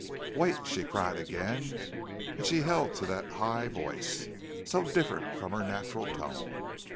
"Wait!" she cried again, and she held to that high voice, so different from her natural tone.